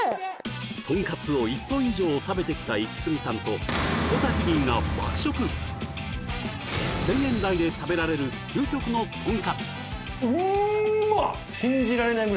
とんかつを１トン以上食べてきたイキスギさんと小瀧Ｄが１０００円台で食べられる究極のとんかつうまっ！